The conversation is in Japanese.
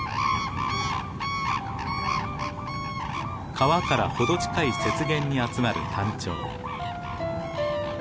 川から程近い雪原に集まるタンチョウ。